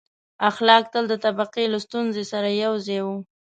• اخلاق تل د طبقې له ستونزې سره یو ځای وو.